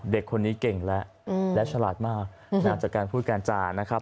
เด็กคนนี้เก่งแล้วและฉลาดมากจากการพูดการจานะครับ